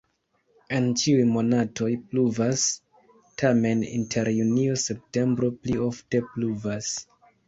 En ĉiuj monatoj pluvas, tamen inter junio-septembro pli ofte pluvas.